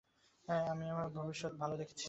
আর আমাদের একটা ভবিষ্যৎ আছে।